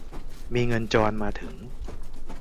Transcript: มีเงินจรมาถึง